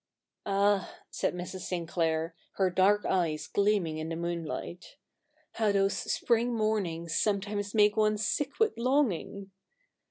' Ah,' said Mrs. Sinclair, her dark eyes gleaming in the moonlight, ' how those spring mornings sometimes make one sick with longing